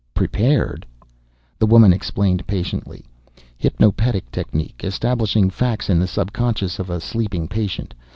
"Prepared?" The woman explained patiently. "Hypnopedic technique establishing facts in the subconscious of a sleeping patient.